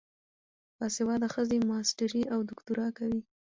باسواده ښځې ماسټري او دوکتورا کوي.